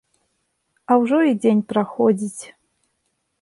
А ўжо і дзень праходзіць.